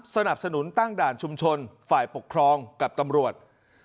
สนับสนุนตั้งด่านชุมชนฝ่ายปกครองกับตำรวจ